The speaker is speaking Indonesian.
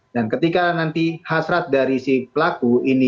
dan ketika nanti hasrat dari si pelaku ini